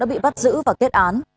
đã bị bắt giữ và kết án